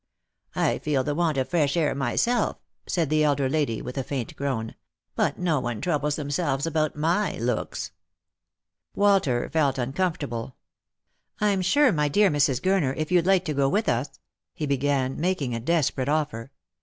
" I feel the want of fresh air myself," said the elder lady, with a faint groan ;" but no one troubles themselves about my looks." Walter felt uncomfortable. " I'm sure, my dear Mrs. Gurner, if you'd like to go with us —" be began, making a desperate offer.